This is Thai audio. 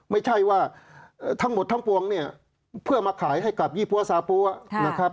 ไม่ใช่ว่าทั้งหมดทั้งปวงเนี่ยเพื่อมาขายให้กับยี่ปั้วซาปั๊วนะครับ